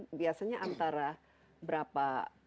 itu biasanya antara berapa